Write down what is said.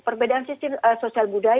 perbedaan sistem sosial budaya